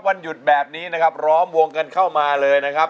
วันหยุดแบบนี้นะครับล้อมวงกันเข้ามาเลยนะครับ